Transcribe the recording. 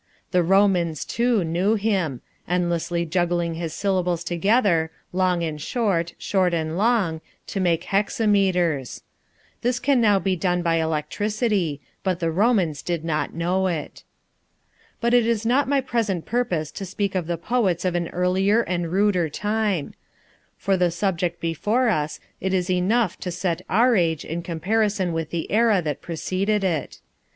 The Romans, too, knew him endlessly juggling his syllables together, long and short, short and long, to make hexameters. This can now be done by electricity, but the Romans did not know it. But it is not my present purpose to speak of the poets of an earlier and ruder time. For the subject before us it is enough to set our age in comparison with the era that preceded it.